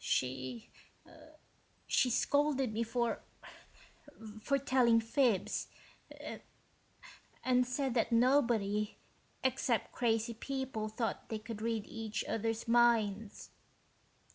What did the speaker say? She ... she scolded me for ... for telling fibs ... and said that nobody except crazy people thought they could read each other's minds."